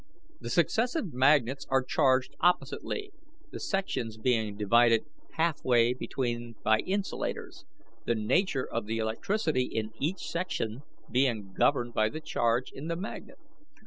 The successive magnets are charged oppositely, the sections being divided halfway between by insulators, the nature of the electricity in each section being governed by the charge in the magnet.